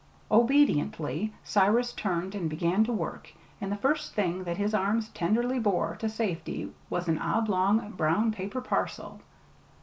Obediently Cyrus turned and began to work; and the first thing that his arms tenderly bore to safety was an oblong brown paper parcel.